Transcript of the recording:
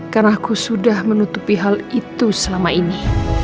karena aku sudah menutupi hal itu selama ini